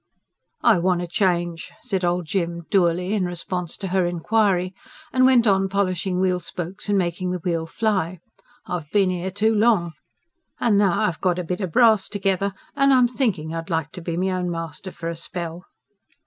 "I want a change," said Old Jim dourly in response to her inquiry; and went on polishing wheel spokes, and making the wheel fly. "I've bin 'ere too long. An' now I've got a bit o' brass together, an' am thinkin' I'd like to be me own master for a spell."